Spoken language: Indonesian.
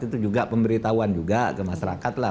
itu juga pemberitahuan juga ke masyarakat lah